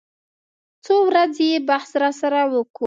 څو ورځې يې بحث راسره وکو.